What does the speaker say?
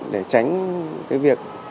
để tránh cái việc